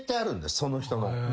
その人の。